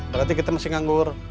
berarti kita masih nganggur